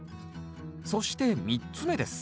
そして３つ目です